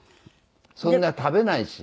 そんな食べないし。